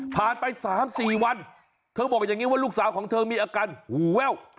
ผ่านไปสามสี่วันเธอก็บอกอย่างนี้ว่าลูกสาวของเธอมีอาการหูแวว